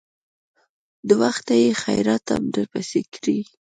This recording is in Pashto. د وخته يې خيراتم درپسې کړى.